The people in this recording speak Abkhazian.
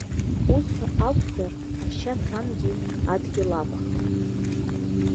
Ус акәзар, ашьац ангьы адгьыл акәхап.